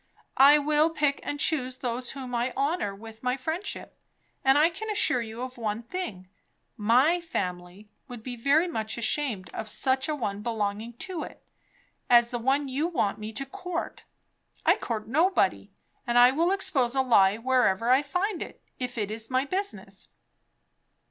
I will pick and choose those whom I honour with my friendship. And I can assure you of one thing; my family would be very much ashamed of such a one belonging to it, as the one you want me to court. I court nobody. And I will expose a lie wherever I find it, if it's my business."